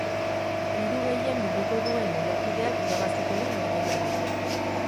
Diru gehien bilduko duen lehiakideak irabaziko du norgehiagoka.